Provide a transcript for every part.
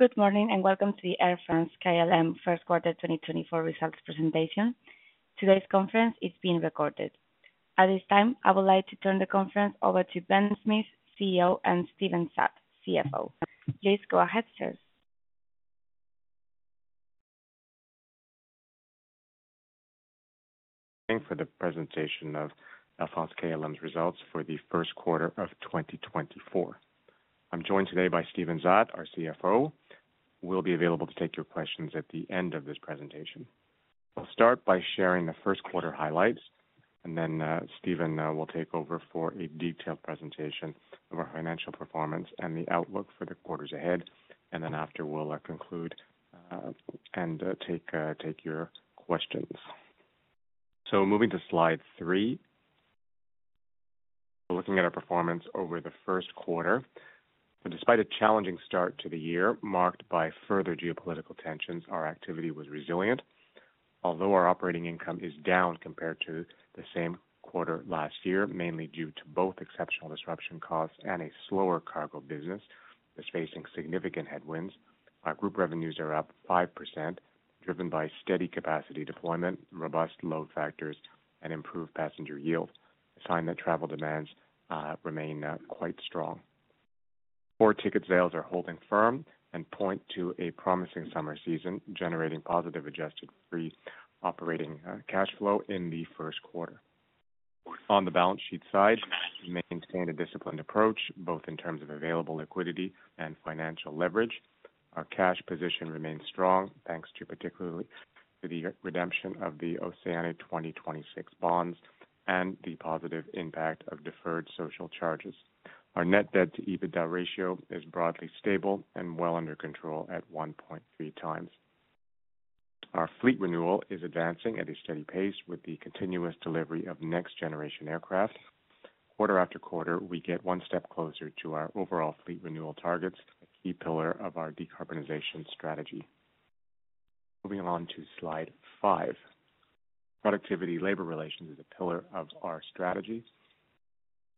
Good morning, and welcome to the Air France-KLM first quarter 2024 results presentation. Today's conference is being recorded. At this time, I would like to turn the conference over to Ben Smith, CEO, and Steven Zaat, CFO. Please go ahead, sir. Thank you for the presentation of Air France-KLM's results for the first quarter of 2024. I'm joined today by Steven Zaat, our CFO, who will be available to take your questions at the end of this presentation. I'll start by sharing the first quarter highlights, and then Steven will take over for a detailed presentation of our financial performance and the outlook for the quarters ahead. Then after, we'll conclude and take your questions. So moving to slide 3. We're looking at our performance over the first quarter. But despite a challenging start to the year, marked by further geopolitical tensions, our activity was resilient. Although our operating income is down compared to the same quarter last year, mainly due to both exceptional disruption costs and a slower cargo business that's facing significant headwinds, our group revenues are up 5%, driven by steady capacity deployment, robust load factors, and improved passenger yield, a sign that travel demands remain quite strong. Forward ticket sales are holding firm and point to a promising summer season, generating positive adjusted free operating cash flow in the first quarter. On the balance sheet side, we maintained a disciplined approach, both in terms of available liquidity and financial leverage. Our cash position remains strong, thanks to particularly the redemption of the OCEANE 2026 bonds and the positive impact of deferred social charges. Our net debt to EBITDA ratio is broadly stable and well under control at 1.3 times. Our fleet renewal is advancing at a steady pace with the continuous delivery of next generation aircraft. Quarter after quarter, we get one step closer to our overall fleet renewal targets, a key pillar of our decarbonization strategy. Moving on to slide 5. Productivity labor relations is a pillar of our strategy.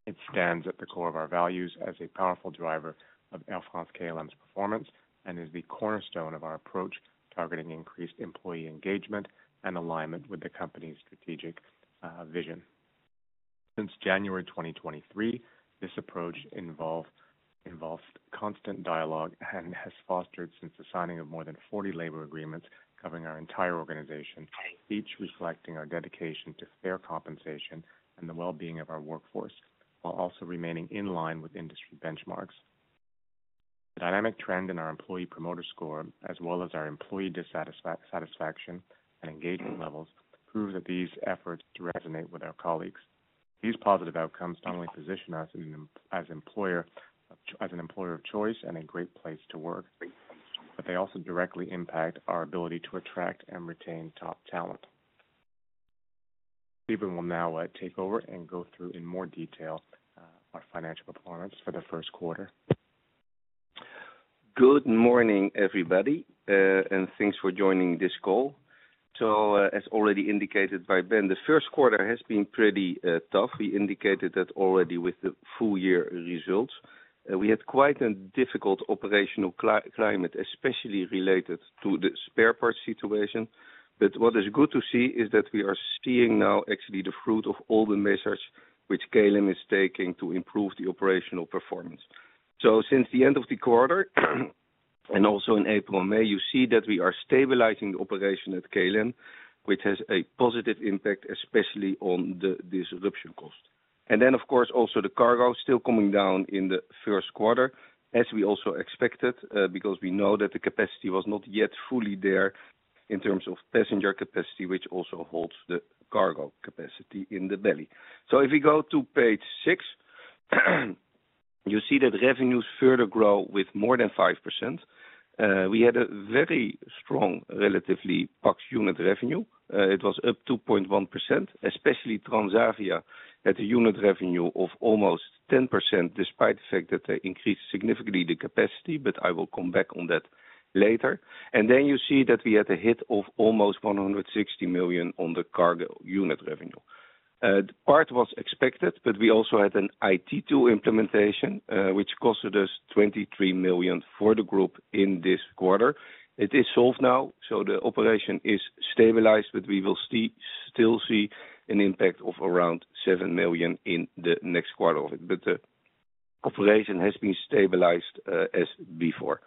It stands at the core of our values as a powerful driver of Air France-KLM's performance and is the cornerstone of our approach, targeting increased employee engagement and alignment with the company's strategic vision. Since January 2023, this approach involved constant dialogue and has fostered since the signing of more than 40 labor agreements covering our entire organization, each reflecting our dedication to fair compensation and the well-being of our workforce, while also remaining in line with industry benchmarks. Dynamic trend in our employee promoter score, as well as our employee dissatisfaction and engagement levels, prove that these efforts to resonate with our colleagues. These positive outcomes not only position us as an, as employer, as an employer of choice and a great place to work, but they also directly impact our ability to attract and retain top talent. Steven will now take over and go through in more detail our financial performance for the first quarter. Good morning, everybody, and thanks for joining this call. So, as already indicated by Ben, the first quarter has been pretty tough. We indicated that already with the full year results. We had quite a difficult operational climate, especially related to the spare parts situation. But what is good to see is that we are seeing now actually the fruit of all the measures which KLM is taking to improve the operational performance. So since the end of the quarter, and also in April and May, you see that we are stabilizing the operation at KLM, which has a positive impact, especially on the disruption cost. Then, of course, also the cargo is still coming down in the first quarter, as we also expected, because we know that the capacity was not yet fully there in terms of passenger capacity, which also holds the cargo capacity in the belly. So if we go to page six, you see that revenues further grow with more than 5%. We had a very strong, relatively, PAX unit revenue. It was up 2.1%, especially Transavia, at a unit revenue of almost 10%, despite the fact that they increased significantly the capacity, but I will come back on that later. And then you see that we had a hit of almost 160 million on the cargo unit revenue. The part was expected, but we also had an IT tool implementation, which costed us 23 million for the group in this quarter. It is solved now, so the operation is stabilized, but we will still see an impact of around 7 million in the next quarter of it. But the operation has been stabilized, as before.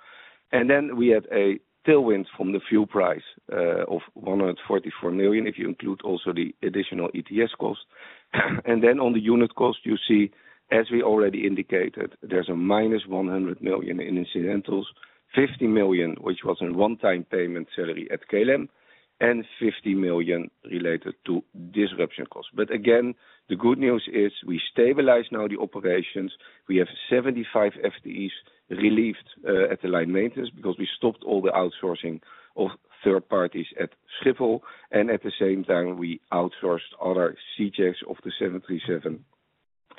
And then we had a tailwind from the fuel price, of 144 million, if you include also the additional ETS cost. And then on the unit cost, you see, as we already indicated, there's a minus 100 million in incidentals, 50 million, which was a one-time payment salary at KLM, and 50 million related to disruption costs. But again, the good news is we stabilize now the operations. We have 75 FTEs relieved at the line maintenance because we stopped all the outsourcing of third parties at Schiphol, and at the same time, we outsourced other C checks of the 737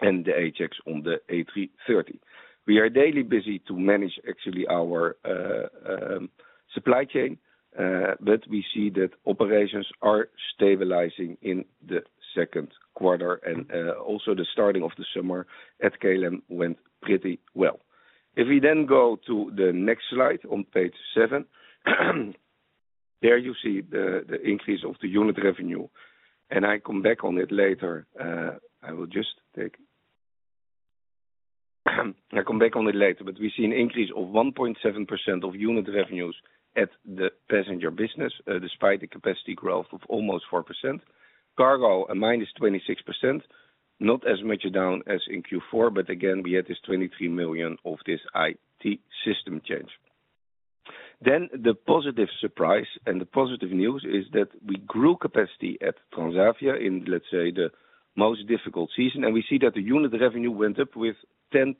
and the A checks on the A330. We are daily busy to manage actually our supply chain, but we see that operations are stabilizing in the second quarter, and also the starting of the summer at KLM went pretty well. If we then go to the next slide, on page 7, there you see the increase of the unit revenue, and I come back on it later. I will just take, I come back on it later, but we see an increase of 1.7% of unit revenues at the passenger business, despite the capacity growth of almost 4%. Cargo, a -26%, not as much down as in Q4, but again, we had this 23 million of this IT system change. Then the positive surprise and the positive news is that we grew capacity at Transavia in, let's say, the most difficult season, and we see that the unit revenue went up with 10%,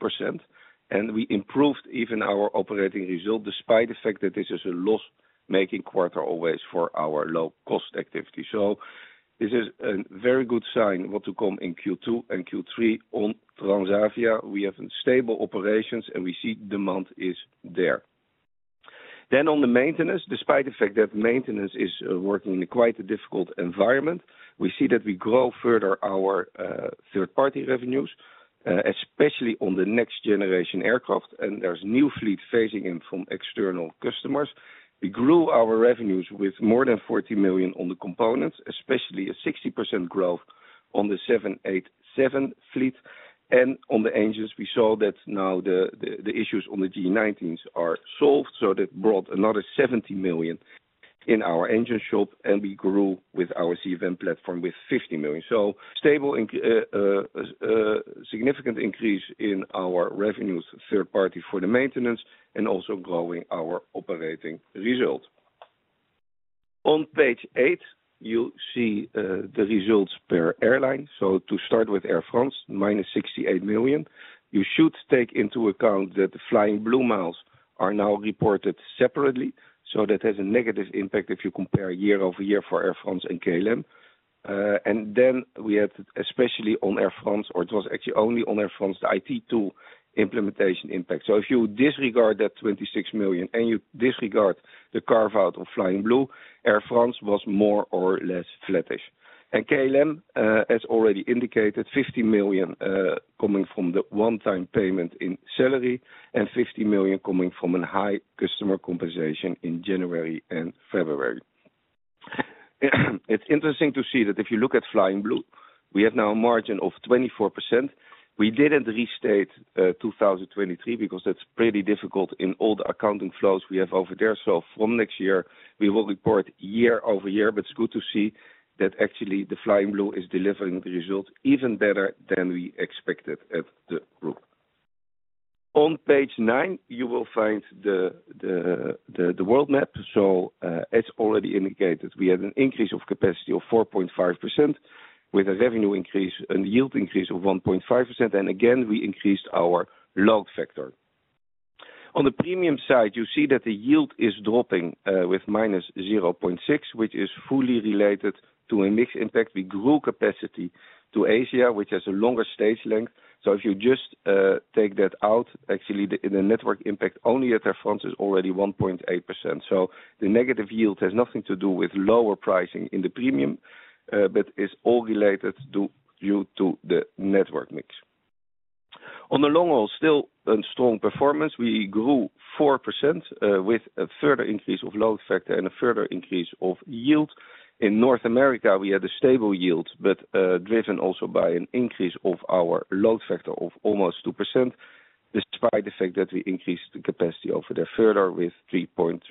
and we improved even our operating result, despite the fact that this is a loss-making quarter always for our low-cost activity. So this is a very good sign what to come in Q2 and Q3 on Transavia. We have a stable operations, and we see demand is there. Then on the maintenance, despite the fact that maintenance is working in quite a difficult environment, we see that we grow further our third-party revenues especially on the next-generation aircraft, and there's new fleet phasing in from external customers. We grew our revenues with more than 40 million on the components, especially a 60% growth on the 787 fleet, and on the engines, we saw that now the issues on the GE90s are solved, so that brought another 70 million in our engine shop, and we grew with our CFM56-7 platform with 50 million. So, stable, significant increase in our revenues, third-party for the maintenance, and also growing our operating result. On page eight, you'll see the results per airline. So to start with Air France, minus 68 million, you should take into account that the Flying Blue miles are now reported separately, so that has a negative impact if you compare year-over-year for Air France and KLM. And then we have, especially on Air France, or it was actually only on Air France, the IT tool implementation impact. So if you disregard that 26 million, and you disregard the carve-out of Flying Blue, Air France was more or less flattish. And KLM, as already indicated, 50 million coming from the one-time payment in salary, and 50 million coming from a high customer compensation in January and February. It's interesting to see that if you look at Flying Blue, we have now a margin of 24%. We didn't restate 2023, because that's pretty difficult in all the accounting flows we have over there. So from next year, we will report year-over-year, but it's good to see that actually the Flying Blue is delivering the results even better than we expected at the group. On page nine, you will find the world map, so, as already indicated, we had an increase of capacity of 4.5%, with a revenue increase and yield increase of 1.5%, and again, we increased our load factor. On the premium side, you see that the yield is dropping with -0.6%, which is fully related to a mix impact. We grew capacity to Asia, which has a longer stage length, so if you just take that out, actually the network impact only at Air France is already 1.8%. So the negative yield has nothing to do with lower pricing in the premium, but is all related to, due to the network mix. On the long haul, still a strong performance. We grew 4%, with a further increase of load factor and a further increase of yield. In North America, we had a stable yield, but driven also by an increase of our load factor of almost 2%, despite the fact that we increased the capacity over there further with 3.3%.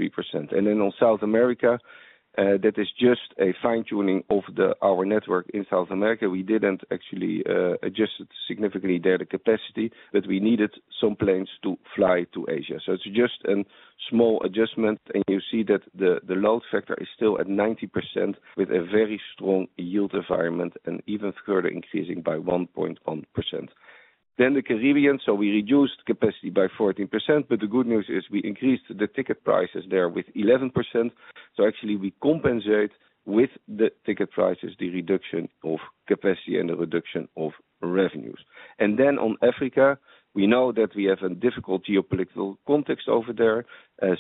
Then on South America, that is just a fine-tuning of our network in South America. We didn't actually adjust significantly there, the capacity, but we needed some planes to fly to Asia. So it's just a small adjustment, and you see that the load factor is still at 90% with a very strong yield environment and even further increasing by 1.1%. Then the Caribbean, so we reduced capacity by 14%, but the good news is we increased the ticket prices there with 11%. So actually, we compensate with the ticket prices, the reduction of capacity and the reduction of revenues. And then on Africa, we know that we have a difficult geopolitical context over there,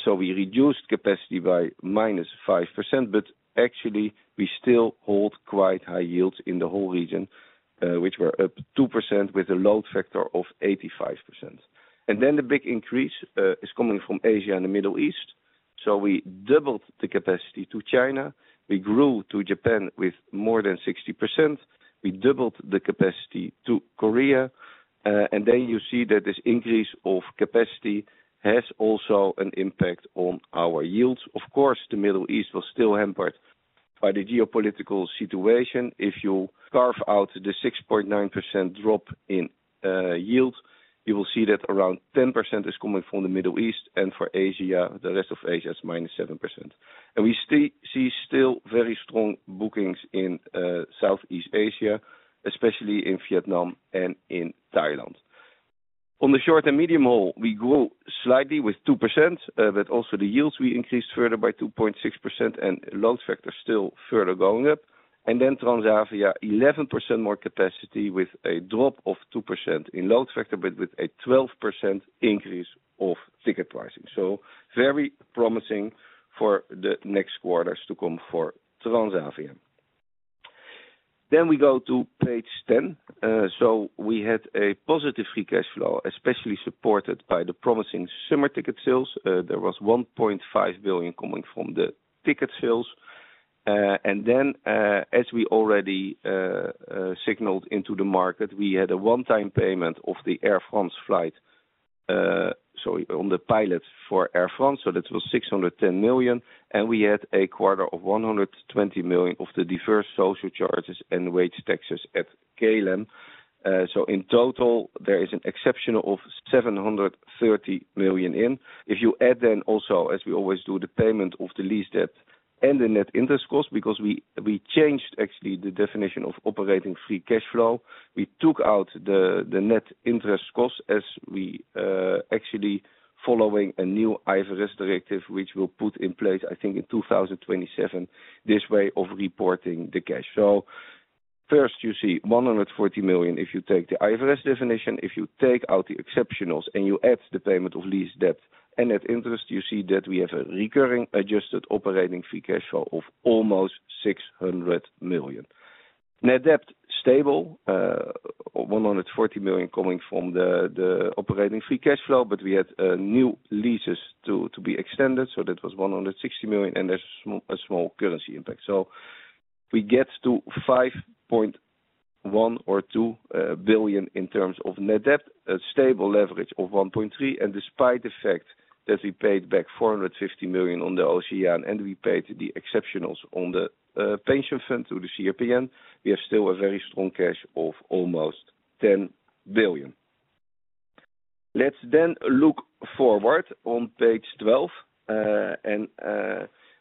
so we reduced capacity by -5%, but actually, we still hold quite high yields in the whole region, which were up 2% with a load factor of 85%. And then the big increase is coming from Asia and the Middle East, so we doubled the capacity to China. We grew to Japan with more than 60%. We doubled the capacity to Korea, and then you see that this increase of capacity has also an impact on our yields. Of course, the Middle East was still hampered by the geopolitical situation. If you carve out the 6.9% drop in yield, you will see that around 10% is coming from the Middle East, and for Asia, the rest of Asia, is -7%. We see still very strong bookings in Southeast Asia, especially in Vietnam and in Thailand. On the short and medium haul, we grew slightly with 2%, but also the yields we increased further by 2.6%, and load factor still further going up. Then Transavia, 11% more capacity with a drop of 2% in load factor, but with a 12% increase of ticket pricing. So very promising for the next quarters to come for Transavia. Then we go to page 10. So we had a positive free cash flow, especially supported by the promising summer ticket sales. There was 1.5 billion coming from the ticket sales. Then, as we already signaled into the market, we had a one-time payment to the Air France pilots, so that was 610 million, and we had a quarter of 120 million of the deferred social charges and wage taxes at KLM. So in total, there is an exception of 730 million in. If you add then also, as we always do, the payment of the lease debt and the net interest cost, because we changed actually the definition of operating free cash flow. We took out the net interest cost as we actually following a new IFRS directive, which will put in place, I think, in 2027, this way of reporting the cash flow. First, you see 140 million if you take the IFRS definition. If you take out the exceptionals and you add the payment of lease debt and that interest, you see that we have a recurring adjusted operating free cash flow of almost 600 million. Net debt, stable, 140 million coming from the operating free cash flow, but we had new leases to be extended, so that was 160 million, and there's a small currency impact. We get to 5.1 billion or 2 billion in terms of net debt, a stable leverage of 1.3, and despite the fact that we paid back 450 million on the OCEANE and we paid the exceptionals on the pension fund through the CRPN, we are still a very strong cash of almost 10 billion. Let's look forward on page 12. And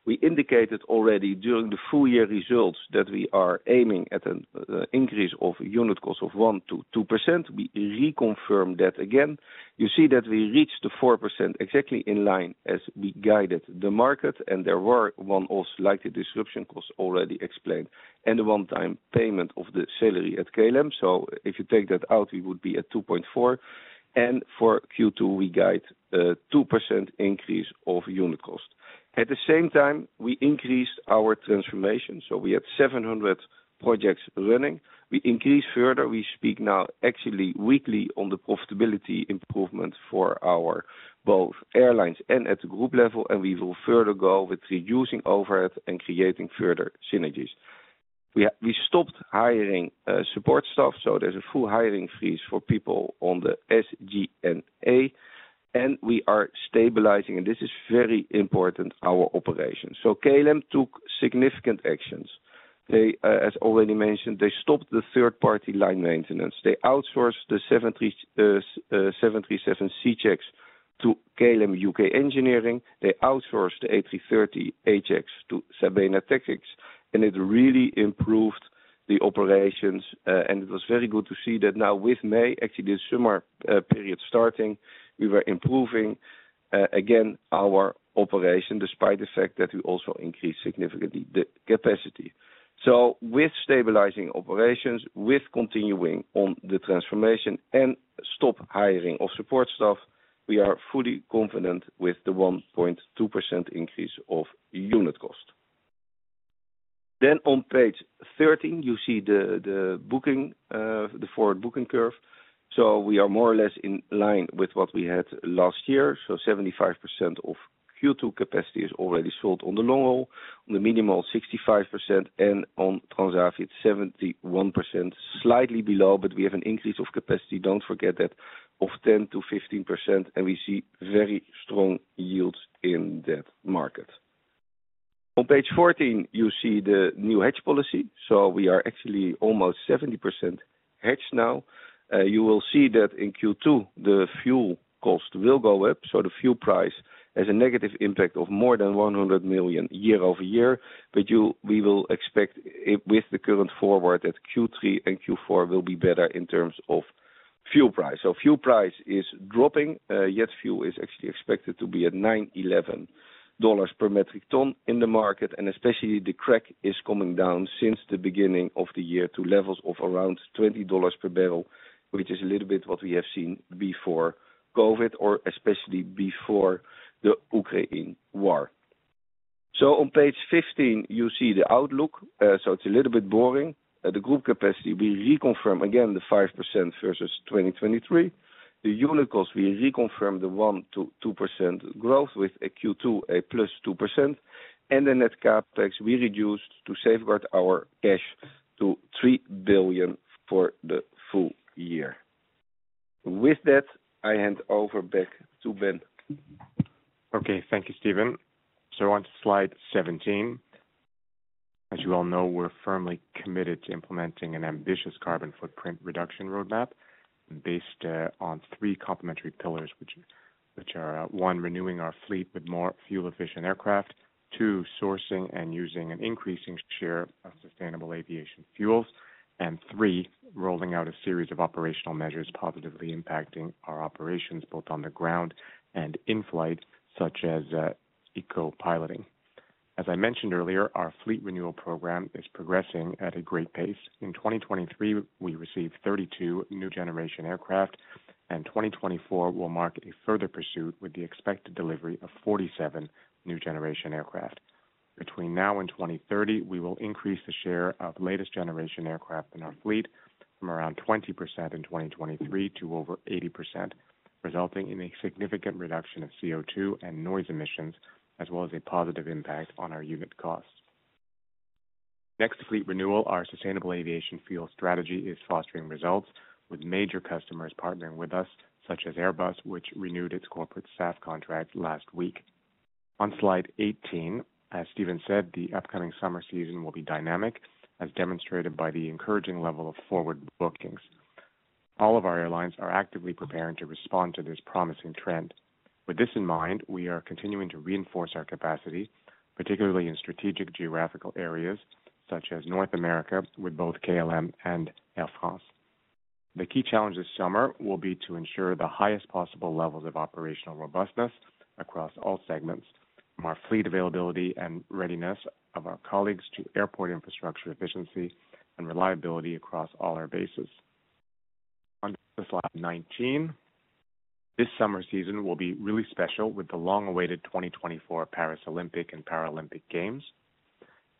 we indicated already during the full year results that we are aiming at an increase of unit cost of 1%-2%. We reconfirm that again. You see that we reached the 4%, exactly in line as we guided the market, and there were one-off slight disruption costs already explained, and a one-time payment of the salary at KLM. If you take that out, we would be at 2.4, and for Q2, we guide 2% increase of unit cost. At the same time, we increased our transformation, so we had 700 projects running. We increased further. We speak now actually weekly on the profitability improvement for our both airlines and at the group level, and we will further go with reducing overhead and creating further synergies. We stopped hiring support staff, so there's a full hiring freeze for people on the SG&A, and we are stabilizing, and this is very important, our operations. KLM took significant actions. They, as already mentioned, stopped the third-party line maintenance. They outsourced the 77 C checks to KLM UK Engineering. They outsourced the A330 A-checks to Sabena Technics, and it really improved the operations. It was very good to see that now with May, actually, the summer period starting, we were improving again our operation, despite the fact that we also increased significantly the capacity. So with stabilizing operations, with continuing on the transformation and stop hiring of support staff, we are fully confident with the 1.2% increase of unit cost. Then on page 13, you see the booking, the forward booking curve. So we are more or less in line with what we had last year. So 75% of Q2 capacity is already sold on the long haul, on the minimal 65%, and on Transavia, it's 71%, slightly below, but we have an increase of capacity, don't forget that, of 10%-15%, and we see very strong yields in that market. On page 14, you see the new hedge policy, so we are actually almost 70% hedged now. You will see that in Q2, the fuel cost will go up, so the fuel price has a negative impact of more than 100 million year-over-year, but we will expect it with the current forward, that Q3 and Q4 will be better in terms of fuel price. So fuel price is dropping, yet fuel is actually expected to be at $911 per metric ton in the market, and especially the crack is coming down since the beginning of the year to levels of around $20 per barrel, which is a little bit what we have seen before COVID, or especially before the Ukraine war. So on page 15, you see the outlook. So it's a little bit boring. At the group capacity, we reconfirm again, the 5% versus 2023. The unit cost, we reconfirm the 1%-2% growth with a Q2 +2%, and the net CapEx, we reduced to safeguard our cash to €3 billion for the full year. With that, I hand over back to Ben. Okay, thank you, Steven. So on slide 17, as you all know, we're firmly committed to implementing an ambitious carbon footprint reduction roadmap based on three complementary pillars, which are, one, renewing our fleet with more fuel-efficient aircraft, two, sourcing and using an increasing share of sustainable aviation fuels. And three, rolling out a series of operational measures positively impacting our operations, both on the ground and in flight, such as eco piloting. As I mentioned earlier, our fleet renewal program is progressing at a great pace. In 2023, we received 32 new generation aircraft, and 2024 will mark a further pursuit with the expected delivery of 47 new generation aircraft. Between now and 2030, we will increase the share of latest generation aircraft in our fleet from around 20% in 2023 to over 80%, resulting in a significant reduction of CO2 and noise emissions, as well as a positive impact on our unit costs. Next, fleet renewal, our sustainable aviation fuel strategy is fostering results with major customers partnering with us, such as Airbus, which renewed its corporate SAF contract last week. On slide 18, as Steven said, the upcoming summer season will be dynamic, as demonstrated by the encouraging level of forward bookings. All of our airlines are actively preparing to respond to this promising trend. With this in mind, we are continuing to reinforce our capacity, particularly in strategic geographical areas such as North America, with both KLM and Air France. The key challenge this summer will be to ensure the highest possible levels of operational robustness across all segments, from our fleet availability and readiness of our colleagues to airport infrastructure efficiency and reliability across all our bases. On to slide 19. This summer season will be really special with the long-awaited 2024 Paris Olympic and Paralympic Games.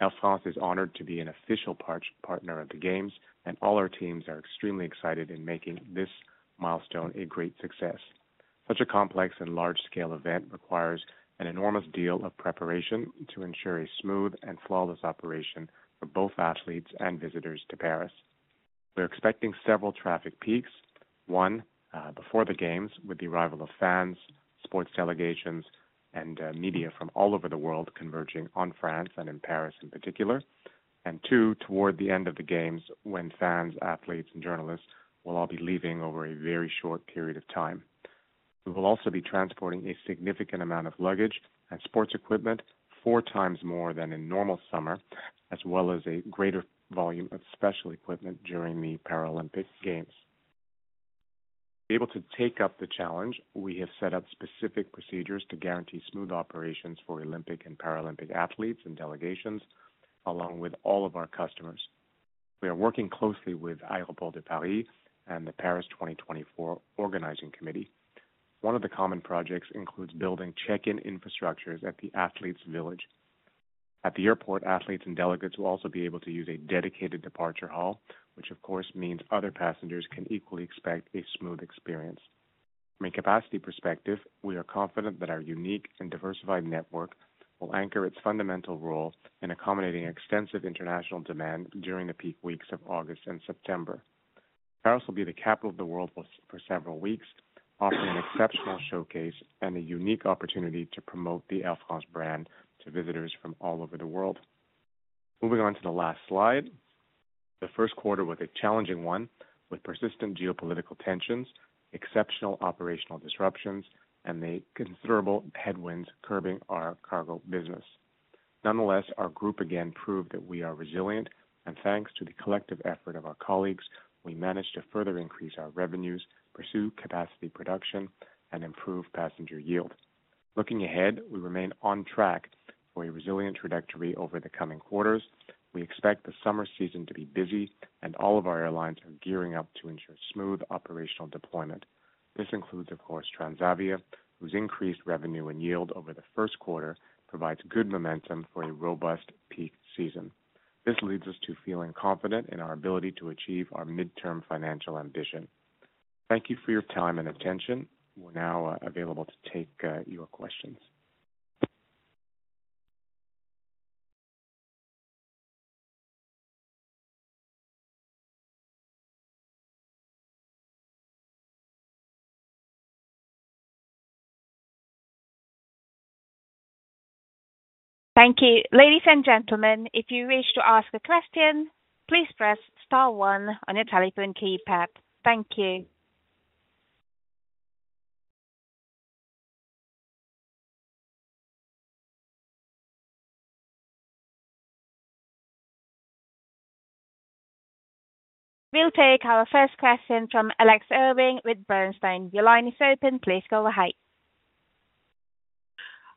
Air France is honored to be an official partner of the games, and all our teams are extremely excited in making this milestone a great success. Such a complex and large-scale event requires an enormous deal of preparation to ensure a smooth and flawless operation for both athletes and visitors to Paris. We're expecting several traffic peaks: one, before the games, with the arrival of fans, sports delegations, and, media from all over the world converging on France and in Paris in particular, and two, toward the end of the games, when fans, athletes, and journalists will all be leaving over a very short period of time. We will also be transporting a significant amount of luggage and sports equipment, four times more than in normal summer, as well as a greater volume of special equipment during the Paralympic Games. To be able to take up the challenge, we have set up specific procedures to guarantee smooth operations for Olympic and Paralympic athletes and delegations, along with all of our customers. We are working closely with Aéroports de Paris and the Paris 2024 Organizing Committee. One of the common projects includes building check-in infrastructures at the Athletes' Village. At the airport, athletes and delegates will also be able to use a dedicated departure hall, which of course means other passengers can equally expect a smooth experience. From a capacity perspective, we are confident that our unique and diversified network will anchor its fundamental role in accommodating extensive international demand during the peak weeks of August and September. Paris will be the capital of the world for several weeks, offering an exceptional showcase and a unique opportunity to promote the Air France brand to visitors from all over the world. Moving on to the last slide. The first quarter was a challenging one, with persistent geopolitical tensions, exceptional operational disruptions, and the considerable headwinds curbing our Cargo business. Nonetheless, our group again proved that we are resilient, and thanks to the collective effort of our colleagues, we managed to further increase our revenues, pursue capacity production, and improve passenger yield. Looking ahead, we remain on track for a resilient trajectory over the coming quarters. We expect the summer season to be busy, and all of our airlines are gearing up to ensure smooth operational deployment. This includes, of course, Transavia, whose increased revenue and yield over the first quarter provides good momentum for a robust peak season. This leads us to feeling confident in our ability to achieve our midterm financial ambition. Thank you for your time and attention. We're now available to take your questions. Thank you. Ladies and gentlemen, if you wish to ask a question, please press star one on your telephone keypad. Thank you. We'll take our first question from Alex Irving with Bernstein. Your line is open. Please go ahead.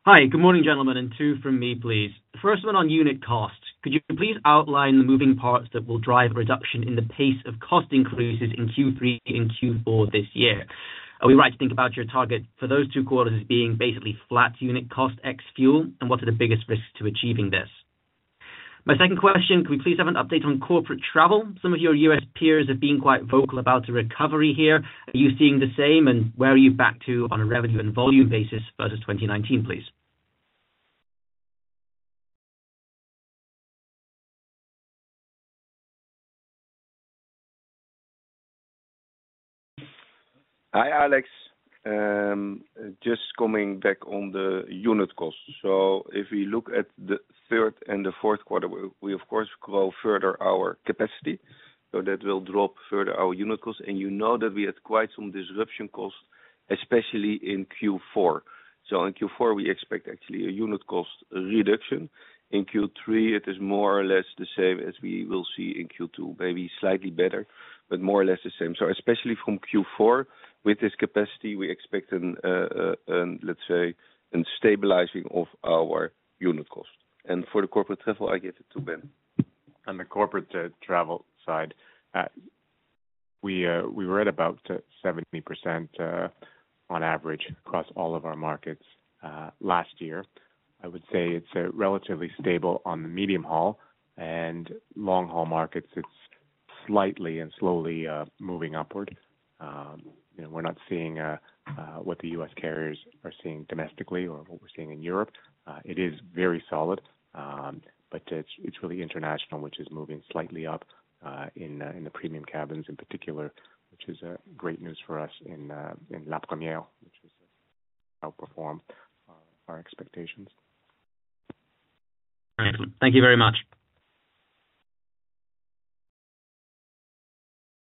Hi. Good morning, gentlemen, and two from me, please. The first one on unit costs: could you please outline the moving parts that will drive reduction in the pace of cost increases in Q3 and Q4 this year? Are we right to think about your target for those two quarters as being basically flat unit cost ex fuel, and what are the biggest risks to achieving this? My second question, could we please have an update on corporate travel? Some of your U.S. peers have been quite vocal about the recovery here. Are you seeing the same, and where are you back to on a revenue and volume basis versus 2019, please? Hi, Alex. Just coming back on the unit cost. So if we look at the third and the fourth quarter, we of course grow further our capacity, so that will drop further our unit costs. And you know that we had quite some disruption costs.... especially in Q4. So in Q4, we expect actually a unit cost reduction. In Q3, it is more or less the same as we will see in Q2, maybe slightly better, but more or less the same. So especially from Q4, with this capacity, we expect an, let's say, a stabilizing of our unit cost. And for the corporate travel, I give it to Ben. On the corporate travel side, we were at about 70%, on average across all of our markets, last year. I would say it's relatively stable on the medium-haul and long-haul markets. It's slightly and slowly moving upward. You know, we're not seeing what the U.S. carriers are seeing domestically or what we're seeing in Europe. It is very solid, but it's really international, which is moving slightly up in the premium cabins in particular, which is great news for us in La Première, which has outperformed our expectations. Excellent. Thank you very much.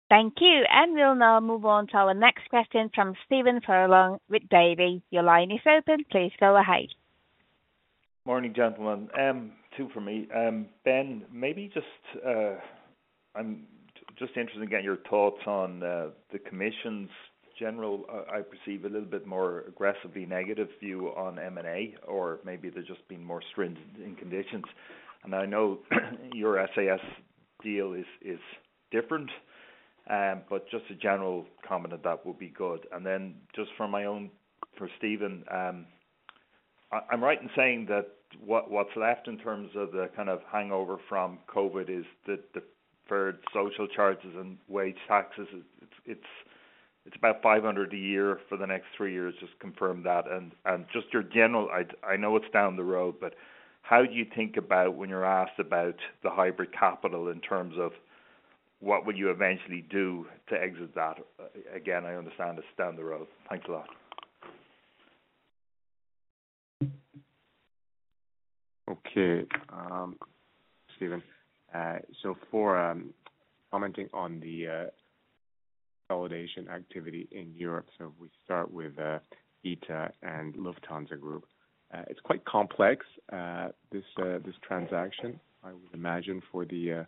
Thank you, and we'll now move on to our next question from Stephen Furlong with Davy. Your line is open. Please go ahead. Morning, gentlemen. Two for me. Ben, maybe just, I'm just interested in getting your thoughts on the commission's general, I perceive a little bit more aggressively negative view on M&A, or maybe they're just being more stringent in conditions. I know your SAS deal is different, but just a general comment on that will be good. Then, just from my own, for Steven, I'm right in saying that what's left in terms of the kind of hangover from COVID is the deferred social charges and wage taxes, it's about 500 a year for the next three years. Just confirm that, and just your general... I know it's down the road, but how do you think about when you're asked about the hybrid capital in terms of what would you eventually do to exit that? Again, I understand it's down the road. Thanks a lot. Okay. Stephen, so for commenting on the validation activity in Europe, so we start with ITA and Lufthansa Group. It's quite complex, this transaction, I would imagine, for the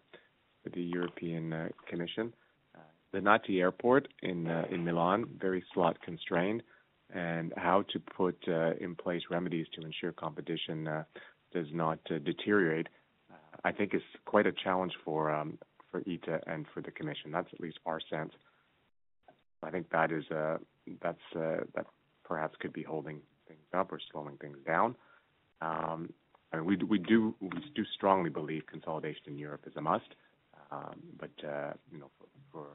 European Commission. The Linate Airport in Milan, very slot constrained, and how to put in place remedies to ensure competition does not deteriorate. I think it's quite a challenge for ITA and for the commission. That's at least our sense. I think that perhaps could be holding things up or slowing things down. We do strongly believe consolidation in Europe is a must. But you know, for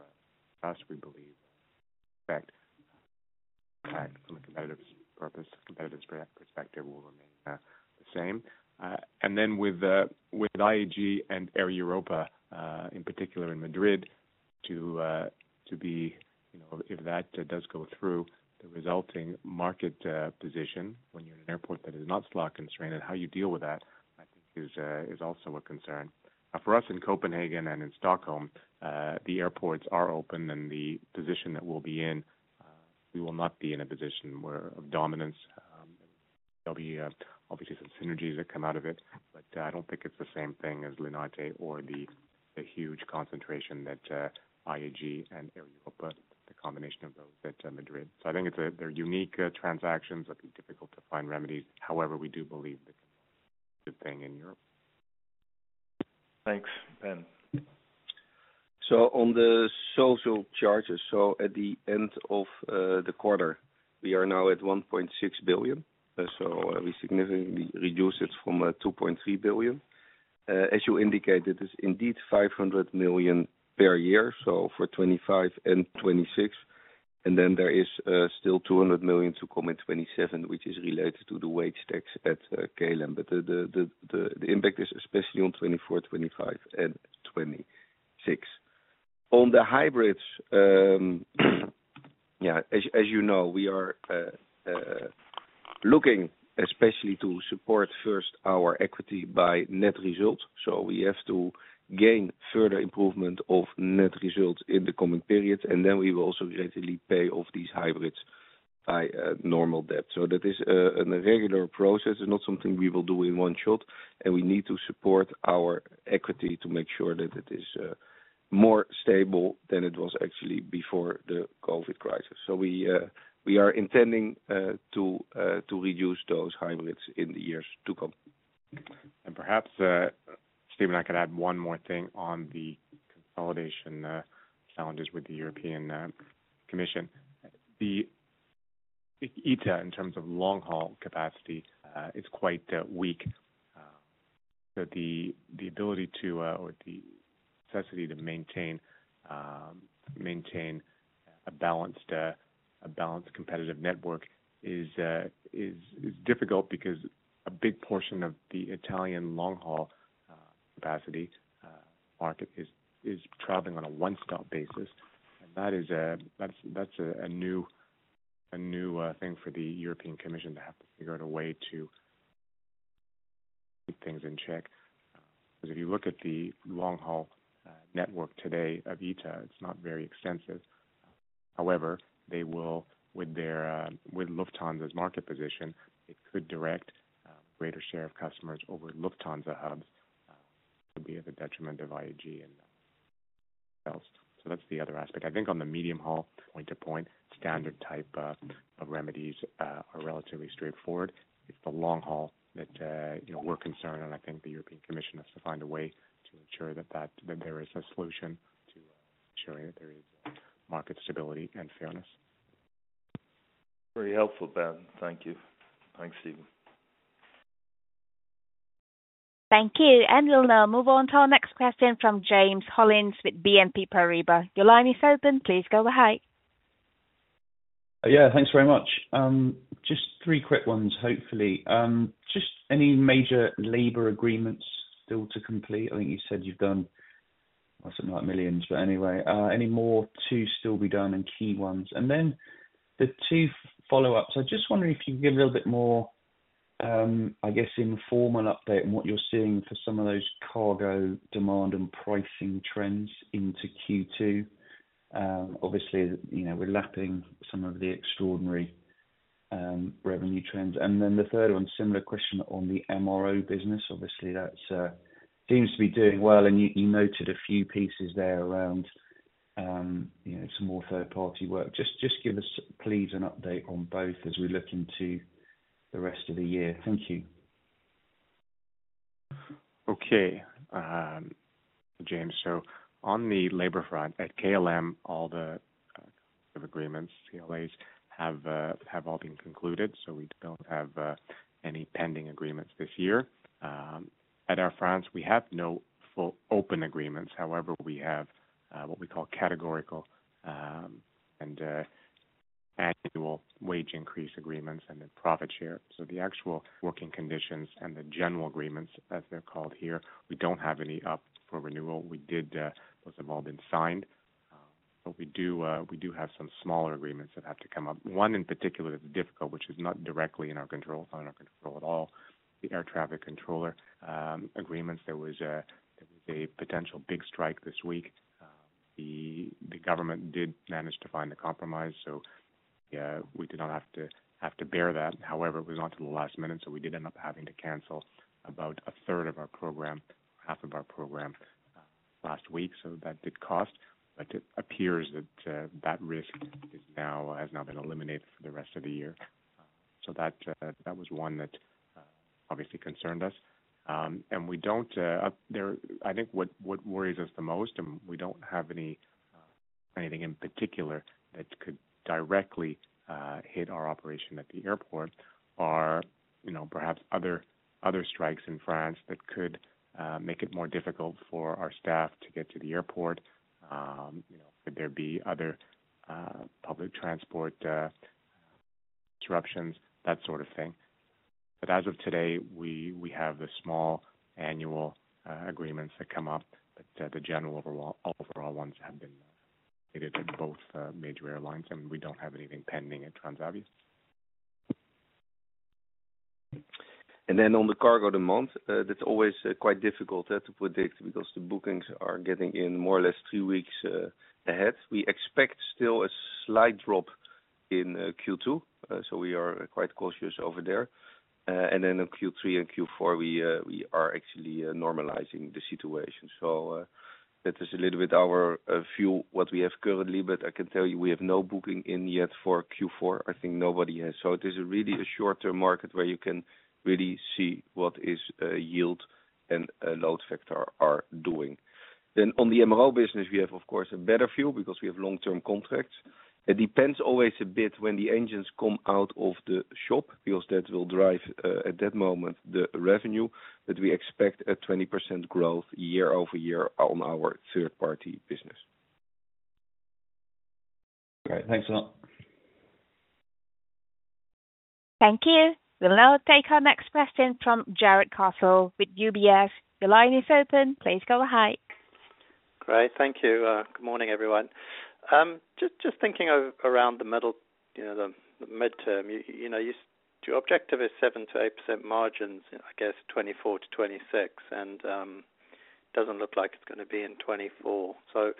us, we believe in fact from a competitive perspective will remain the same. And then with IAG and Air Europa, in particular in Madrid, to be, you know, if that does go through, the resulting market position when you're in an airport that is not slot constrained, and how you deal with that, I think is also a concern. Now, for us, in Copenhagen and in Stockholm, the airports are open and the position that we'll be in, we will not be in a position where, of dominance. There'll be, obviously some synergies that come out of it, but, I don't think it's the same thing as Linate or the huge concentration that, IAG and Air Europa, the combination of those at, Madrid. So I think it's a- they're unique transactions that be difficult to find remedies. However, we do believe that the thing in Europe. Thanks, Ben. So on the social charges, so at the end of the quarter, we are now at 1.6 billion, so we significantly reduce it from 2.3 billion. As you indicated, it's indeed 500 million per year, so for 2025 and 2026, and then there is still 200 million to come in 2027, which is related to the wage tax at KLM. But the impact is especially on 2024, 2025 and 2026. On the hybrids, yeah, as you know, we are looking especially to support first our equity by net results. So we have to gain further improvement of net results in the coming periods, and then we will also gradually pay off these hybrids by normal debt. So that is an irregular process and not something we will do in one shot, and we need to support our equity to make sure that it is more stable than it was actually before the COVID crisis. So we are intending to reduce those hybrids in the years to come. Perhaps, Stephen, I could add one more thing on the consolidation challenges with the European Commission. The ITA, in terms of long-haul capacity, is quite weak, so the ability to, or the necessity to maintain a balanced competitive network is difficult because a big portion of the Italian long-haul capacity market is traveling on a one-stop basis, and that is, that's a new thing for the European Commission to have to figure out a way to things in check, because if you look at the long-haul network today of ITA, it's not very extensive. However, they will, with their, with Lufthansa's market position, it could direct, greater share of customers over Lufthansa hubs, could be at the detriment of IAG and else. So that's the other aspect. I think on the medium haul, point-to-point, standard type, of remedies, are relatively straightforward. It's the long haul that, you know, we're concerned, and I think the European Commission has to find a way to ensure that that, that there is a solution to ensuring that there is market stability and fairness. Very helpful, Ben. Thank you. Thanks, Steven. Thank you. We'll now move on to our next question from James Hollins with BNP Paribas. Your line is open. Please go ahead. Yeah, thanks very much. Just three quick ones hopefully. Just any major labor agreements still to complete? I think you said you've done, or something like millions, but anyway, any more to still be done and key ones? And then the two follow-ups. I'm just wondering if you can give a little bit more, I guess, informal update on what you're seeing for some of those cargo demand and pricing trends into Q2. Obviously, you know, we're lapping some of the extraordinary, revenue trends. And then the third one, similar question on the MRO business. Obviously, that's seems to be doing well, and you, you noted a few pieces there around, you know, some more third-party work. Just, just give us, please, an update on both as we look into the rest of the year. Thank you. Okay. James, so on the labor front, at KLM, all the agreements, CLAs, have all been concluded, so we don't have any pending agreements this year. At Air France, we have no full open agreements. However, we have what we call categorical and annual wage increase agreements and then profit share. So the actual working conditions and the general agreements, as they're called here, we don't have any up for renewal. We did. Those have all been signed. But we do have some smaller agreements that have to come up. One in particular that's difficult, which is not directly in our control, it's not in our control at all, the air traffic controller agreements. There was a potential big strike this week. The government did manage to find a compromise, so we did not have to bear that. However, it was up to the last minute, so we did end up having to cancel about a third of our program, half of our program, last week, so that did cost, but it appears that that risk has now been eliminated for the rest of the year. So that was one that obviously concerned us. And we don't... I think what worries us the most, and we don't have any anything in particular that could directly hit our operation at the airport are, you know, perhaps other strikes in France that could make it more difficult for our staff to get to the airport. You know, could there be other public transport disruptions, that sort of thing. But as of today, we have the small annual agreements that come up, but the general overall ones have been made at both major airlines, and we don't have anything pending at Transavia. And then on the cargo demand, that's always quite difficult to predict because the bookings are getting in more or less three weeks ahead. We expect still a slight drop in Q2, so we are quite cautious over there. And then in Q3 and Q4, we are actually normalizing the situation. So, that is a little bit our view, what we have currently, but I can tell you, we have no booking in yet for Q4. I think nobody has. So it is really a short-term market where you can really see what is yield and load factor are doing. Then on the MRO business, we have, of course, a better view because we have long-term contracts. It depends always a bit when the engines come out of the shop, because that will drive, at that moment, the revenue that we expect a 20% growth year-over-year on our third-party business. Great. Thanks a lot. Thank you. We'll now take our next question from Jarrod Castle with UBS. Your line is open. Please go ahead. Great. Thank you. Good morning, everyone. Just thinking of around the middle, you know, the midterm, you know, your objective is 7%-8% margins, I guess, 2024-2026, and doesn't look like it's gonna be in 2024. So,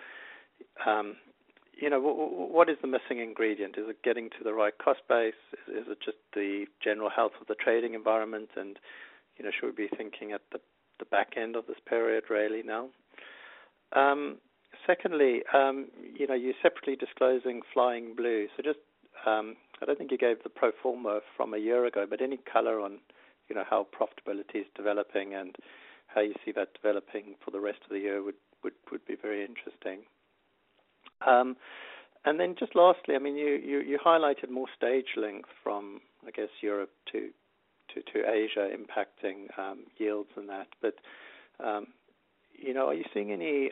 you know, what is the missing ingredient? Is it getting to the right cost base? Is it just the general health of the trading environment? And, you know, should we be thinking at the back end of this period, really now? Secondly, you know, you're separately disclosing Flying Blue, so just, I don't think you gave the pro forma from a year ago, but any color on, you know, how profitability is developing and how you see that developing for the rest of the year would be very interesting. And then just lastly, I mean, you highlighted more stage length from, I guess, Europe to Asia, impacting yields and that. But you know, are you seeing any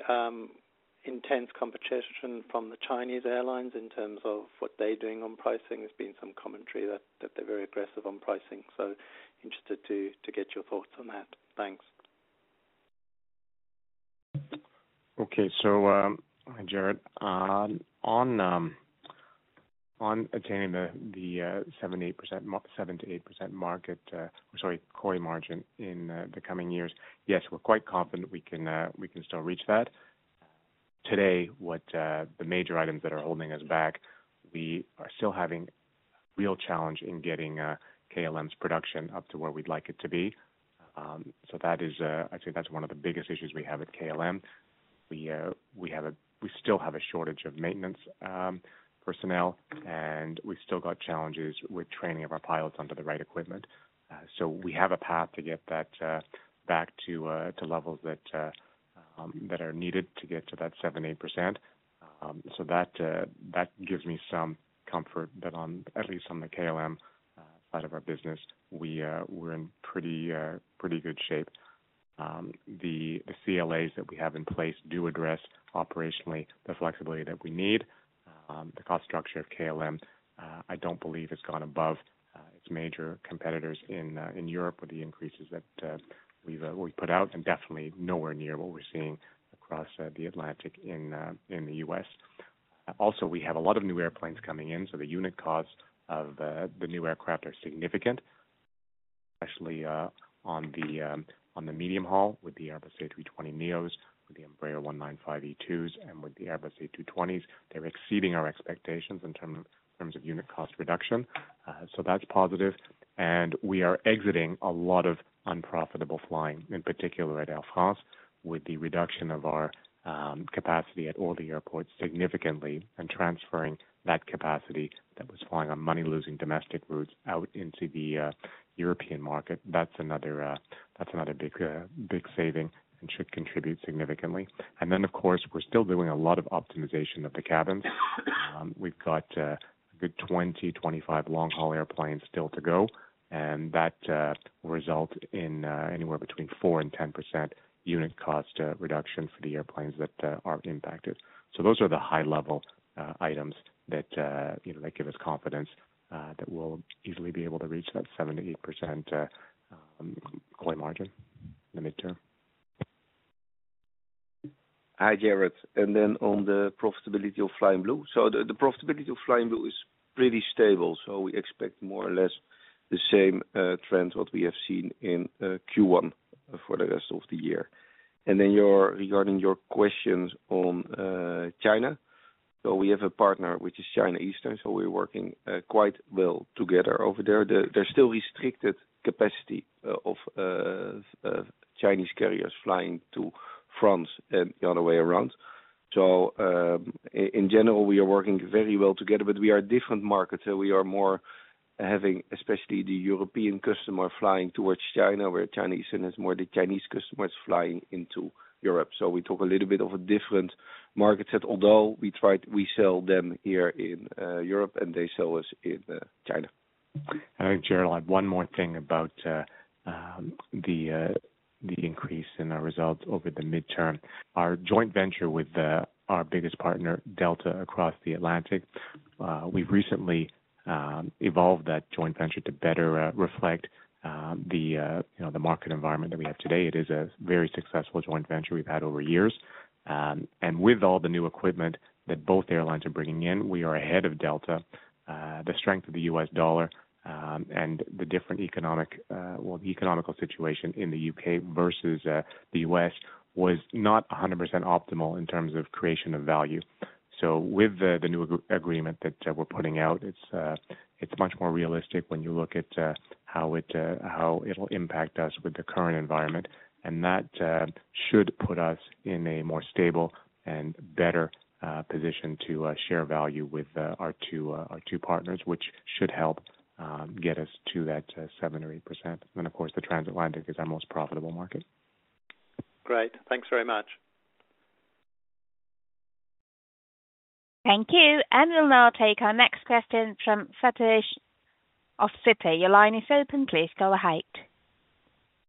intense competition from the Chinese airlines in terms of what they're doing on pricing? There's been some commentary that they're very aggressive on pricing. So interested to get your thoughts on that. Thanks. Okay, so, hi, Jarrod. On attaining the seven to eight percent EBIT margin in the coming years, yes, we're quite confident we can still reach that. Today, what the major items that are holding us back, we are still having real challenge in getting KLM's production up to where we'd like it to be. So that is, I'd say that's one of the biggest issues we have with KLM. We still have a shortage of maintenance personnel, and we've still got challenges with training of our pilots under the right equipment. So we have a path to get that back to levels that are needed to get to that 7%-8%. So that gives me some comfort that on, at least on the KLM side of our business, we're in pretty good shape. The CLAs that we have in place do address operationally the flexibility that we need. The cost structure of KLM I don't believe has gone above its major competitors in Europe with the increases that we've put out, and definitely nowhere near what we're seeing across the Atlantic in the U.S.. Also, we have a lot of new airplanes coming in, so the unit costs of the new aircraft are significant, especially on the medium haul with the Airbus A320neos, with the Embraer 195 E2s, and with the Airbus A220s. They're exceeding our expectations in terms of unit cost reduction. So that's positive. And we are exiting a lot of unprofitable flying, in particular at Air France, with the reduction of our capacity at all the airports significantly, and transferring that capacity that was flying on money-losing domestic routes out into the European market. That's another big saving and should contribute significantly. And then, of course, we're still doing a lot of optimization of the cabins. We've got a good 20-25 long-haul airplanes still to go, and that will result in anywhere between 4%-10% unit cost reduction for the airplanes that are impacted. So those are the high-level items that, you know, that give us confidence that we'll easily be able to reach that 7%-8% COI margin in the midterm. Hi, Jarrod, and then on the profitability of Flying Blue. So the, the profitability of Flying Blue is pretty stable, so we expect more or less the same, trend what we have seen in, Q1 for the rest of the year. And then, regarding your questions on, China, so we have a partner, which is China Eastern, so we're working, quite well together over there. There's still restricted capacity, of, Chinese carriers flying to France and the other way around. So, in general, we are working very well together, but we are different markets, so we are more having, especially the European customer, flying towards China, where Chinese, and it's more the Chinese customers flying into Europe. So we talk a little bit of a different markets, that although we try to we sell them here in Europe, and they sell us in China. Jarrod, I have one more thing about the increase in our results over the midterm. Our joint venture with our biggest partner, Delta, across the Atlantic, we've recently evolved that joint venture to better reflect you know, the market environment that we have today. It is a very successful joint venture we've had over years. And with all the new equipment that both airlines are bringing in, we are ahead of Delta. The strength of the U.S. dollar and the different economic well, economical situation in the U.K. versus the U.S. was not 100% optimal in terms of creation of value. So with the new agreement that we're putting out, it's much more realistic when you look at how it'll impact us with the current environment. And that should put us in a more stable and better position to share value with our two partners, which should help get us to that 7% or 8%. And of course, the transatlantic is our most profitable market. Great. Thanks very much. Thank you. We'll now take our next question from Sathish Sivakumar of Citi. Your line is open. Please go ahead.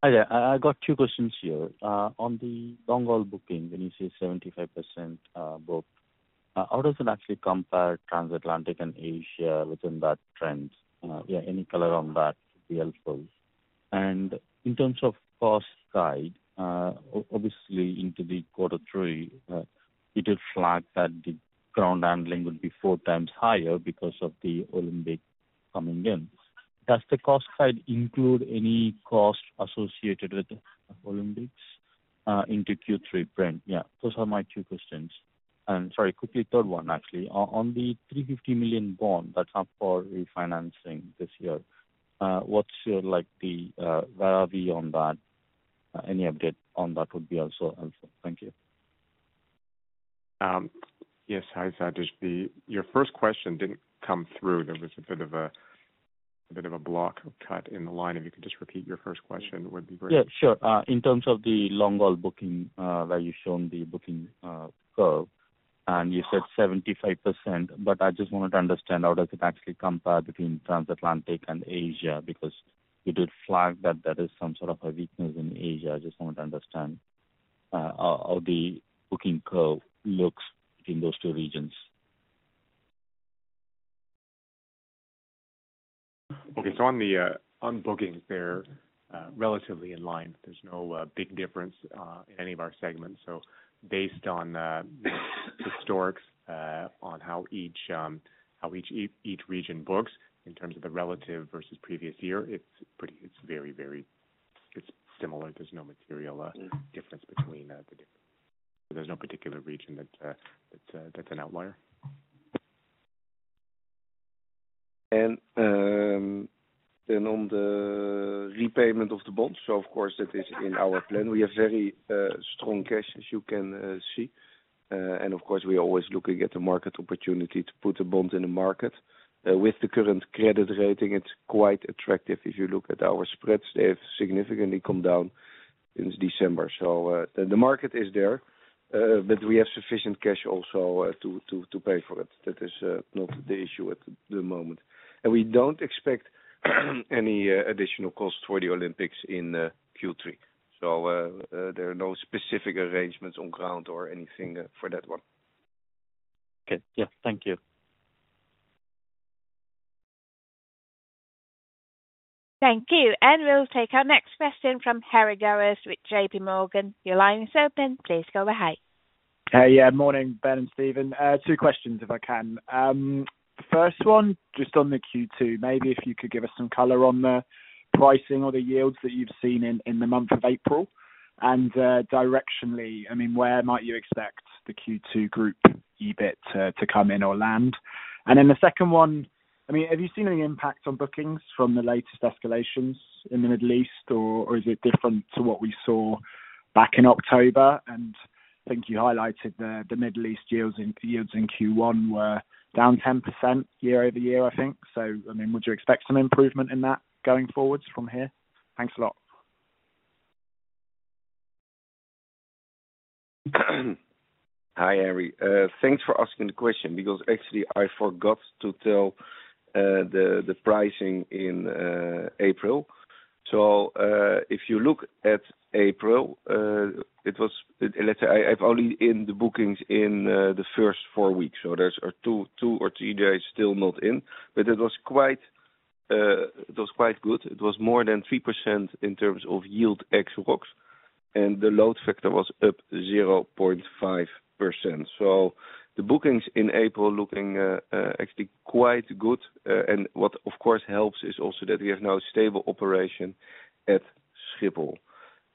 Hi there. I got two questions here. On the long-haul booking, when you say 75% booked, how does it actually compare transatlantic and Asia within that trend? Yeah, any color on that would be helpful. And in terms of cost guide, obviously into quarter three, you did flag that the ground handling would be four times higher because of the Olympics coming in. Does the cost guide include any cost associated with the Olympics into Q3 trend? Yeah, those are my two questions. And sorry, quickly, a third one, actually. On the 350 million bond that's up for refinancing this year, what's your, like, the where are we on that? Any update on that would be also helpful. Thank you. Yes. Hi, Satish. Your first question didn't come through. There was a bit of a block or cut in the line. If you could just repeat your first question, it would be great. Yeah, sure. In terms of the long-haul booking, where you've shown the booking curve, and you said 75%, but I just wanted to understand how does it actually compare between transatlantic and Asia? Because you did flag that that is some sort of a weakness in Asia. I just wanted to understand, how, how the booking curve looks between those two regions. Okay, so on the bookings, they're relatively in line. There's no big difference in any of our segments. Based on historical on how each region books in terms of the relative versus previous year, it's very, very similar. There's no material difference between the different. There's no particular region that's an outlier. Then on the repayment of the bonds, so of course, that is in our plan. We have very strong cash, as you can see. And of course, we are always looking at the market opportunity to put a bond in the market. With the current credit rating, it's quite attractive. If you look at our spreads, they have significantly come down since December. So, the market is there, but we have sufficient cash also to pay for it. That is not the issue at the moment. And we don't expect any additional cost for the Olympics in Q3. So, there are no specific arrangements on ground or anything for that one. Okay. Yeah, thank you. Thank you, and we'll take our next question from Harry Gowers with JPMorgan. Your line is open. Please go ahead. Yeah, morning, Ben and Steven. Two questions, if I can. First one, just on the Q2, maybe if you could give us some color on the pricing or the yields that you've seen in the month of April, and directionally, I mean, where might you expect the Q2 group EBIT to come in or land? And then the second one, I mean, have you seen any impact on bookings from the latest escalations in the Middle East, or is it different to what we saw back in October? And I think you highlighted the Middle East yields in Q1 were down 10% year-over-year, I think. So, I mean, would you expect some improvement in that going forward from here? Thanks a lot. Hi, Harry. Thanks for asking the question, because actually I forgot to tell the pricing in April. So, if you look at April, it was, let's say, I've only in the bookings in the first four weeks, so there are two or three days still not in, but it was quite, it was quite good. It was more than 3% in terms of yield ex FX, and the load factor was up 0.5%. So the bookings in April looking actually quite good. And, of course, helps is also that we have now stable operation at Schiphol.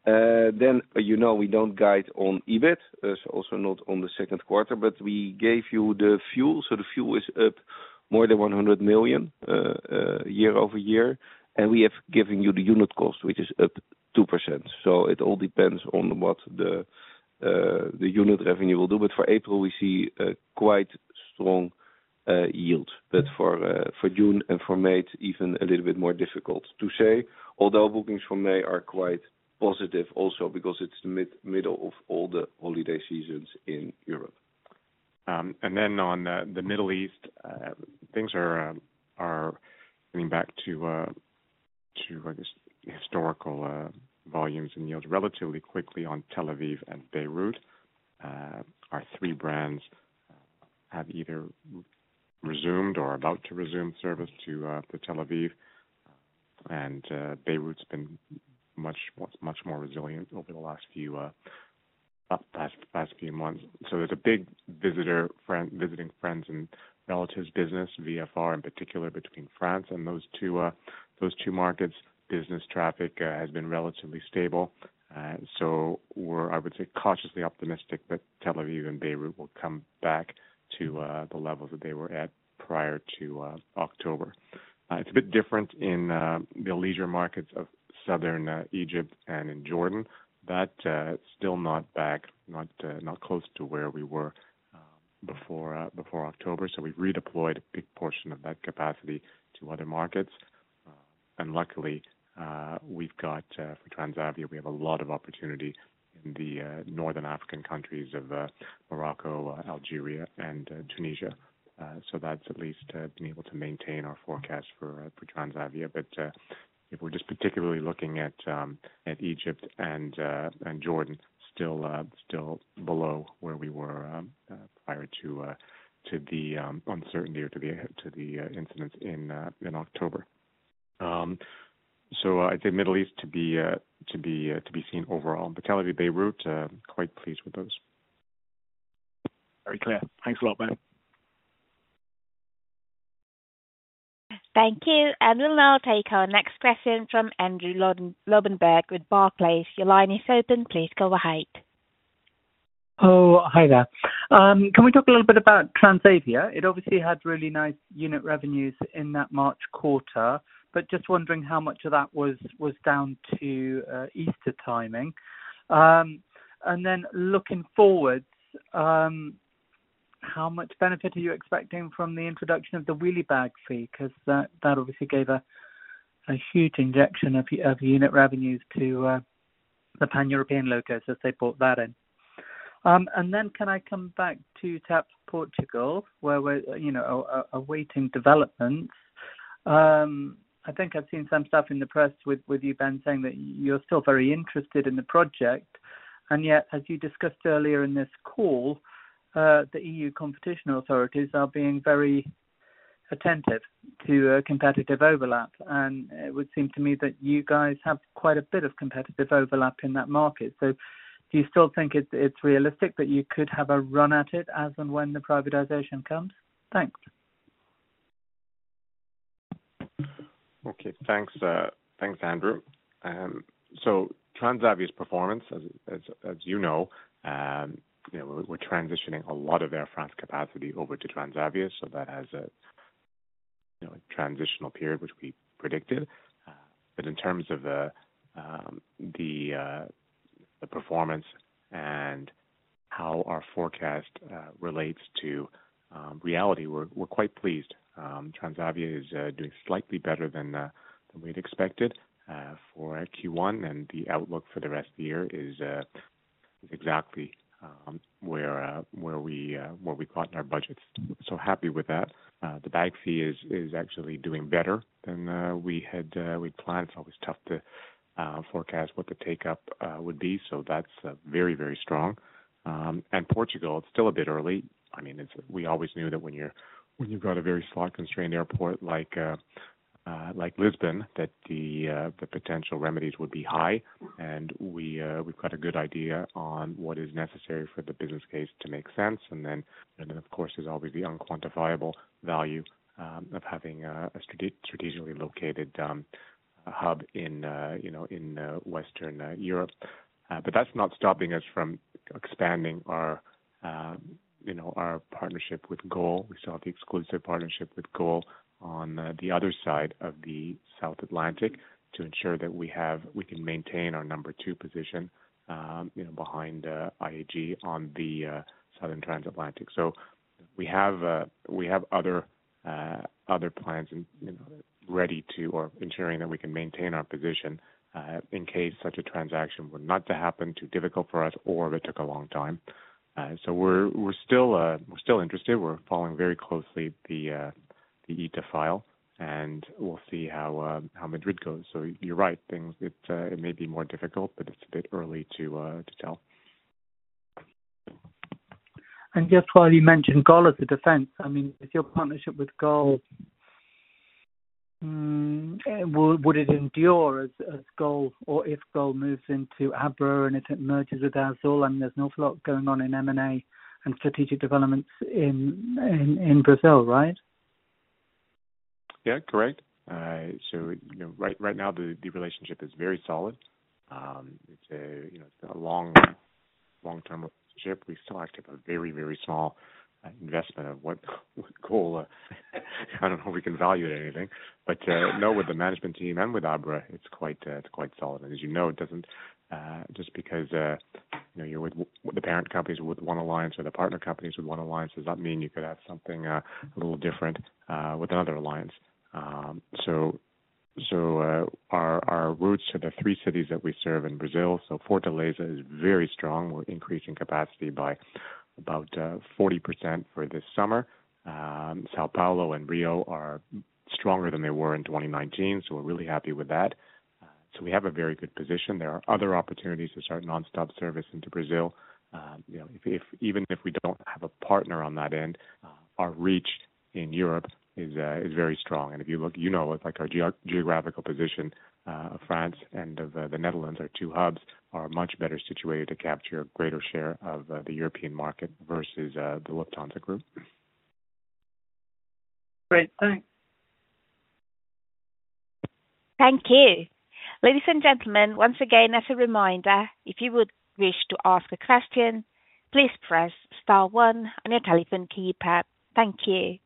Then, you know, we don't guide on EBIT, so also not on the second quarter, but we gave you the fuel. So the fuel is up more than 100 million year-over-year, and we have given you the unit cost, which is up 2%. So it all depends on what the, the unit revenue will do. But for April, we see a quite strong yield. But for June and for May, it's even a little bit more difficult to say, although bookings from May are quite positive also because it's the middle of all the holiday seasons in Europe. And then on the Middle East, things are leaning back to, to, I guess, historical volumes and yields relatively quickly on Tel Aviv and Beirut. Our three brands have either resumed or are about to resume service to, to Tel Aviv, and Beirut's been much more resilient over the last few past few months. So there's a big visiting friends and relatives business, VFR in particular, between France and those two markets. Business traffic has been relatively stable. So we're, I would say, cautiously optimistic that Tel Aviv and Beirut will come back to the levels that they were at prior to October. It's a bit different in the leisure markets of southern Egypt and in Jordan. That's still not back, not close to where we were before October. So we've redeployed a big portion of that capacity to other markets, and luckily, we've got for Transavia, we have a lot of opportunity in the northern African countries of Morocco, Algeria, and Tunisia. So that's at least been able to maintain our forecast for Transavia. But if we're just particularly looking at Egypt and Jordan, still below where we were prior to the uncertainty or to the incidents in October. So I'd say Middle East to be seen overall. But Tel Aviv, Beirut, quite pleased with those. Very clear. Thanks a lot, Ben. Thank you. We'll now take our next question from Andrew Lobbenberg with Barclays. Your line is open. Please go ahead. Oh, hi there. Can we talk a little bit about Transavia? It obviously had really nice unit revenues in that March quarter, but just wondering how much of that was down to Easter timing. And then looking forward, how much benefit are you expecting from the introduction of the wheelie bag fee? 'Cause that obviously gave a huge injection of unit revenues to the Pan-European locations as they brought that in. And then can I come back to TAP Portugal, where we're, you know, awaiting developments. I think I've seen some stuff in the press with you, Ben, saying that you're still very interested in the project. And yet, as you discussed earlier in this call, the EU competition authorities are being very attentive to competitive overlap. It would seem to me that you guys have quite a bit of competitive overlap in that market. So do you still think it's realistic that you could have a run at it as and when the privatization comes? Thanks. Okay. Thanks, thanks, Andrew. So Transavia's performance as you know, you know, we're transitioning a lot of Air France capacity over to Transavia, so that has a you know, transitional period, which we predicted. But in terms of the performance and how our forecast relates to reality, we're quite pleased. Transavia is doing slightly better than we'd expected for Q1, and the outlook for the rest of the year is exactly where what we got in our budgets. So happy with that. The bag fee is actually doing better than we had planned. It's always tough to forecast what the take up would be, so that's very, very strong. And Portugal, it's still a bit early. I mean, it's we always knew that when you're, when you've got a very slot-constrained airport like, like Lisbon, that the potential remedies would be high, and we've got a good idea on what is necessary for the business case to make sense. And then, of course, there's always the unquantifiable value of having a strategically located hub in, you know, in Western Europe. But that's not stopping us from expanding our, you know, our partnership with Gol. We saw the exclusive partnership with Gol on the other side of the South Atlantic to ensure that we have we can maintain our number two position, you know, behind IAG on the Southern Transatlantic. So we have other plans and, you know, ready to, or ensuring that we can maintain our position, in case such a transaction were not to happen, too difficult for us, or it took a long time. So we're still interested. We're following very closely the ITA file, and we'll see how Madrid goes. So you're right, things... It may be more difficult, but it's a bit early to tell. And just while you mentioned Gol as a defense, I mean, is your partnership with Gol, would it endure as Gol or if Gol moves into Abra and it merges with Azul? I mean, there's an awful lot going on in M&A and strategic developments in Brazil, right? Yeah, correct. So, you know, right now the relationship is very solid. It's a, you know, it's been a long, long-term relationship. We still have a very, very small investment of what Gol... I don't know if we can value anything, but no, with the management team and with Abra, it's quite solid. And as you know, it doesn't just because, you know, you're with the parent companies with one alliance or the partner companies with one alliance, does not mean you could have something a little different with another alliance. So our routes to the three cities that we serve in Brazil, so Fortaleza is very strong. We're increasing capacity by about 40% for this summer. São Paulo and Rio are stronger than they were in 2019, so we're really happy with that. So we have a very good position. There are other opportunities to start nonstop service into Brazil. You know, if even if we don't have a partner on that end, our reach in Europe is very strong. And if you look, you know, it's like our geographical position of France and the Netherlands, our two hubs, are much better situated to capture a greater share of the European market versus the Lufthansa Group. Great. Thanks. Thank you. Ladies and gentlemen, once again, as a reminder, if you would wish to ask a question, please press star one on your telephone keypad. Thank you.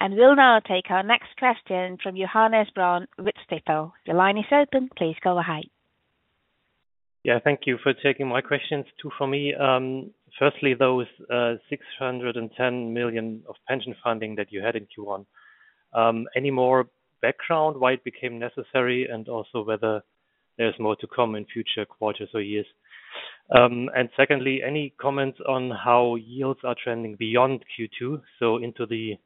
And we'll now take our next question from Johannes Braun with Stifel. Your line is open. Please go ahead. Yeah, thank you for taking my questions, two for me. Firstly, those 610 million of pension funding that you had in Q1, any more background why it became necessary? And also whether there's more to come in future quarters or years. And secondly, any comments on how yields are trending beyond Q2, so into the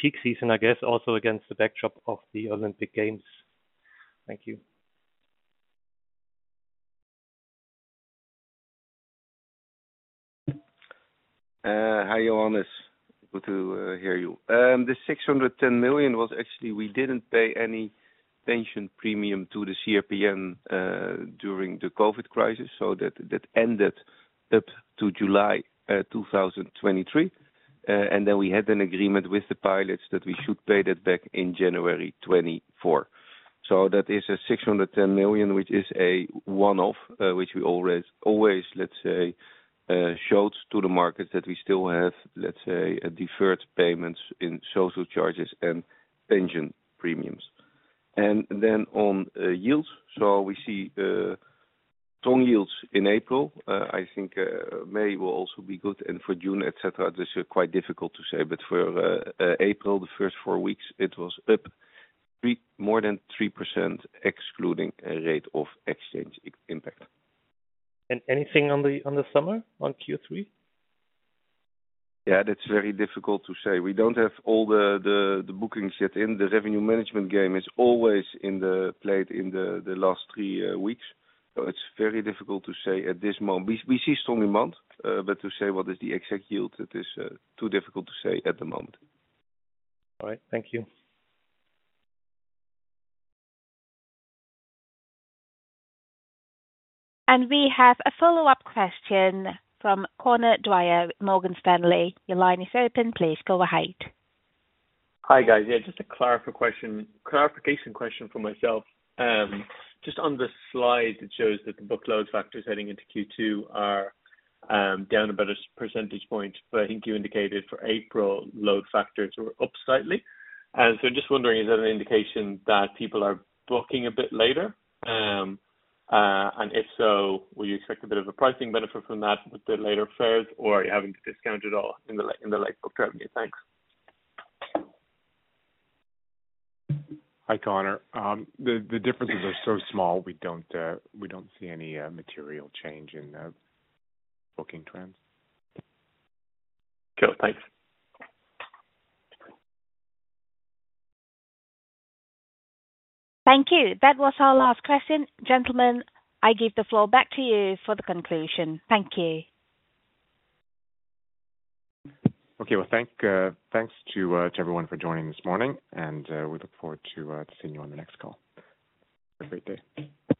peak season, I guess also against the backdrop of the Olympic Games? Thank you. Hi, Johannes. Good to hear you. The 610 million was actually, we didn't pay any pension premium to the CRPN during the COVID crisis, so that ended up to July 2023. And then we had an agreement with the pilots that we should pay that back in January 2024. So that is a 610 million, which is a one-off, which we always, always, let's say, shows to the market that we still have, let's say, a deferred payments in social charges and pension premiums. And then on yields, so we see strong yields in April. I think May will also be good, and for June, et cetera, this is quite difficult to say, but for April, the first four weeks, it was up more than 3%, excluding a rate of exchange impact. Anything on the summer, on Q3? Yeah, that's very difficult to say. We don't have all the bookings yet in. The revenue management game is always played in the last three weeks, so it's very difficult to say at this moment. We see strong demand, but to say what is the exact yield, it is too difficult to say at the moment. All right. Thank you. And we have a follow-up question from Conor Dwyer, Morgan Stanley. Your line is open. Please go ahead. Hi, guys. Yeah, just a clarification question for myself. Just on the slide, it shows that the book load factors heading into Q2 are down about a percentage point, but I think you indicated for April load factors were up slightly. And so just wondering, is that an indication that people are booking a bit later? And if so, will you expect a bit of a pricing benefit from that with the later fares, or are you having to discount at all in the late book revenue? Thanks. Hi, Conor. The differences are so small, we don't see any material change in booking trends. Cool. Thanks. Thank you. That was our last question. Gentlemen, I give the floor back to you for the conclusion. Thank you. Okay. Well, thanks to everyone for joining this morning, and we look forward to seeing you on the next call. Have a great day.